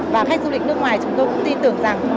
và khách du lịch nước ngoài chúng tôi cũng tin tưởng rằng